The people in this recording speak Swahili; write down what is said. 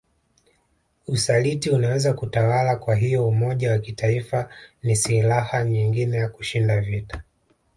Usaliti unaweza kutawala kwahiyo umoja wa kitaifa ni silaha nyingine ya kushinda vita